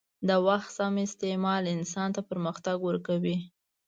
د وخت سم استعمال انسان ته پرمختګ ورکوي.